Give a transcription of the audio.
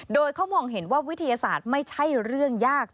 โดยเขามองเห็นว่าวิทยาศาสตร์ไม่ใช่เรื่องยาก